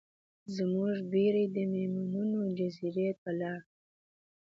زموږ بیړۍ د میمونونو جزیرې ته لاړه.